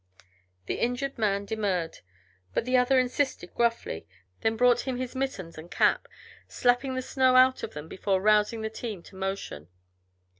The injured man demurred, but the other insisted gruffly, then brought him his mittens and cap, slapping the snow out of them before rousing the team to motion.